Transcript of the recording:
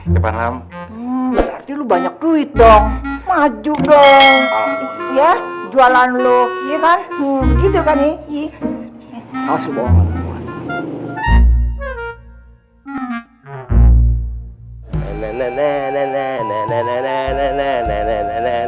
selamat malam banyak duit dong maju dong ya jualan lu iya kan gitu kan nih